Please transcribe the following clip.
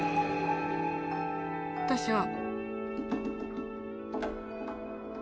私は。